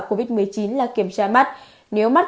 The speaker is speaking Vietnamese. covid một mươi chín là kiểm tra mắt nếu mắt